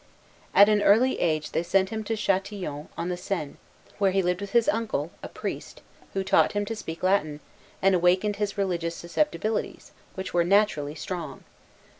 At an early age they sent him to Châtillon on the Seine, where he lived with his uncle, a priest, who taught him to speak Latin, and awakened his religious susceptibilities, which were naturally strong.